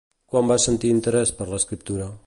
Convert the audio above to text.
Quan va sentir interès per l'escriptura?